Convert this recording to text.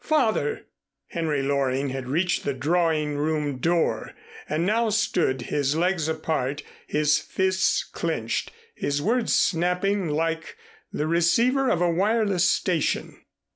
"Father!" Henry Loring had reached the drawing room door and now stood, his legs apart, his fists clenched, his words snapping like the receiver of a wireless station.